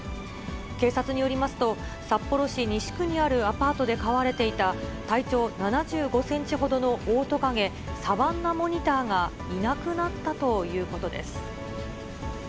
警察によりますと、札幌市西区にあるアパートで飼われていた、体長７５センチほどのオオトカゲ、サバンナモニターがいなくなったということです。